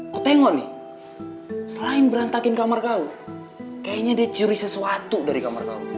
kau tengok nih selain berantakin kamar kau kayaknya dia curi sesuatu dari kamar kau